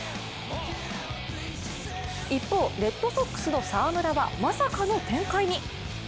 一方、レッドソックスの澤村はまさかの展開に。